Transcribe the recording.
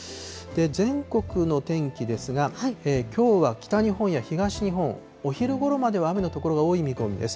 全国の天気ですが、きょうは北日本や東日本、お昼ごろまでは雨の所が多い見込みです。